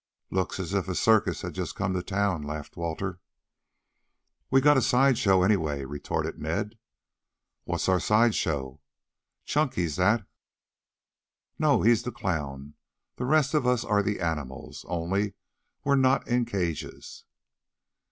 "Looks as if a circus had just come to town," laughed Walter. "We've got a side show, anyway," retorted Ned. "What's our side show?" "Chunky's that." "No; he's the clown. The rest of us are the animals, only we're not in cages."